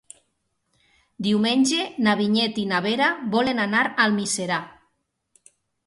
Diumenge na Vinyet i na Vera volen anar a Almiserà.